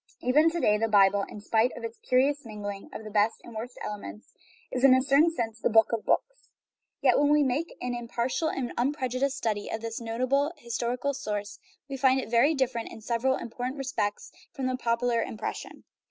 Even to day the Bible in spite of its curious mingling of the best and the worst elements is in a certain sense the " book of books." Yet when we make an impar 282 GOD AND THE WORLD tial and unprejudiced study of this notable historical source, we find it very different in several important respects from the popular impression.